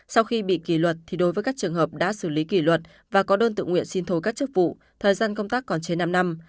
sau khi bị kỷ luật thì đối với các trường hợp đã xử lý kỷ luật và có đơn tự nguyện xin thôi các chức vụ thời gian công tác còn trên năm năm